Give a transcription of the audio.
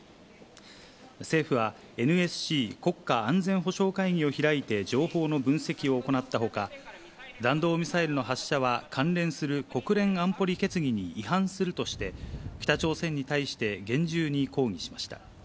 政府はＮＳＣ・国家安全保障会議を開いて情報の分析を行ったほか、弾道ミサイルの発射は関連する国連安保理決議に違反するとして、北朝鮮に対して厳重に抗議しました。